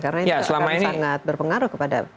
karena ini akan sangat berpengaruh kepada